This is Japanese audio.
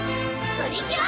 プリキュア！